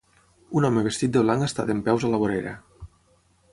Un home vestit de blanc està dempeus a la vorera.